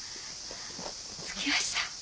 着きました。